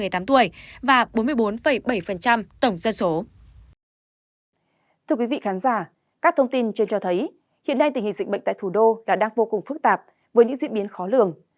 thưa quý vị khán giả các thông tin trên cho thấy hiện nay tình hình dịch bệnh tại thủ đô là đang vô cùng phức tạp với những diễn biến khó lường